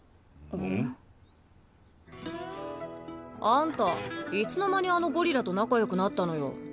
あんたいつの間にあのゴリラと仲よくなったのよ？